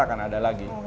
akan ada lagi